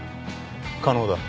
可能だ。